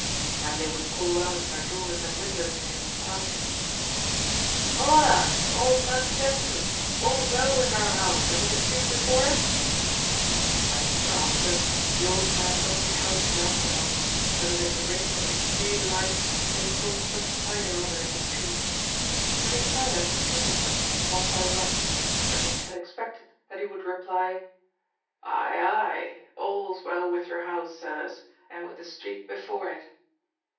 And they would call out of their doors and windows to him passing: "Hola! old man Cethru! All's well with our house, and with the street before it?" But, for answer, the old man only held his lanthorn up, so that in the ring of its pale light they saw some sight or other in the street. And his silence troubled them, one by one, for each had expected that he would reply: "Aye, aye! All's well with your house, Sirs, and with the street before it!"